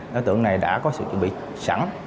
đối tượng này đã có sự chuẩn bị sẵn